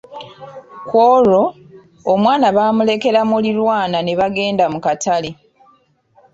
Ku olwo, omwana baamulekera muliraanwa ne bagenda mu katale.